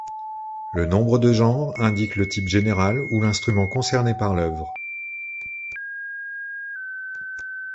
Le nombre de genre indique le type général ou l'instrument concerné par l'œuvre.